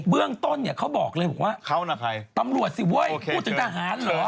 เบื้องต้นเขาบอกเลยว่าตำรวจสิเว้ยพูดถึงต่างหารเหรอ